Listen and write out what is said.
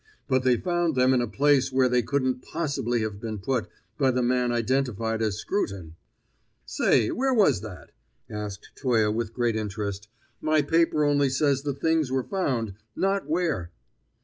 But they found them in a place where they couldn't possibly have been put by the man identified as Scruton!" "Say, where was that?" asked Toye with great interest. "My paper only says the things were found, not where."